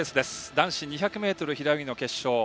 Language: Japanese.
男子２００ｍ平泳ぎの決勝。